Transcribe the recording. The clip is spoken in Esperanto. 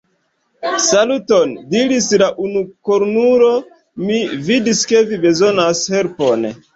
Saluton, diris la unukornulo, mi vidis ke vi bezonas helpon.